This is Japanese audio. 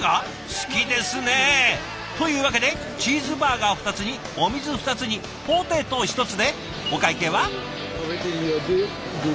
好きですね！というわけでチーズバーガー２つにお水２つにポテト１つでお会計は？